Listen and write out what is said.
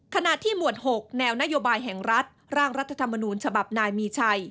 ขณะที่หมวด๖แนวนโยบายแห่งรัฐร่างรัฐธรรมนูญฉบับนายมีชัย